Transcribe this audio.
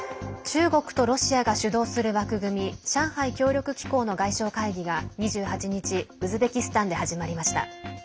中国とロシアが主導する枠組み上海協力機構の外相会議が２８日ウズベキスタンで始まりました。